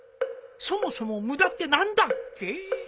そもそも無駄って何だっけ？